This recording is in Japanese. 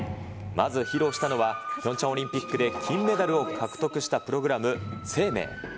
まず披露したのは、ピョンチャンオリンピックで金メダルを獲得したプログラム、ＳＥＩＭＥＩ。